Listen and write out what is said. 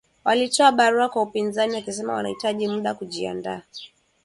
Walitoa barua kwa upinzani wakisema wanahitaji muda kujiandaa